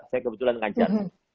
saya kebetulan ngajar